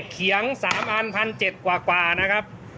เขียงสามอันพันเจ็ดกว่ากว่านะครับ